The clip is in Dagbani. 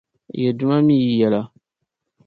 Yi Duuma mi yi yɛla.